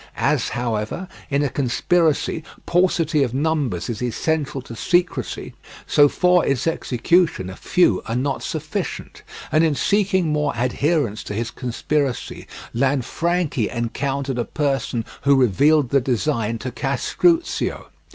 As, however, in a conspiracy paucity of numbers is essential to secrecy, so for its execution a few are not sufficient, and in seeking more adherents to his conspiracy Lanfranchi encountered a person who revealed the design to Castruccio.